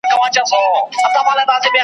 د صبر کاسه درنه ده